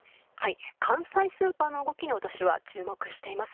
関西スーパの動きに注目しています。